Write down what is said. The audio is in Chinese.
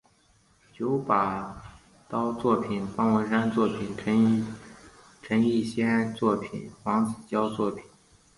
九把刀作品方文山作品陈奕先作品黄子佼作品